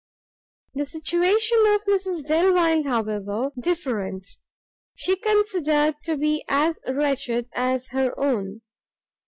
The situation of Mrs Delvile, however different, she considered to be as wretched as her own.